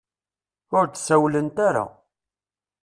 Ur d-sawlent ara.